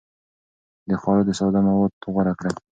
د خوړو ساده مواد غوره کړئ.